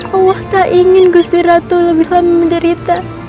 allah tak ingin gusti ratu lebih lama menderita